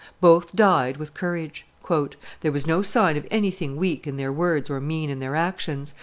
Both died with courage. "There was no sign of anything weak in their words or mean in their actions.